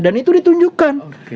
dan itu ditunjukkan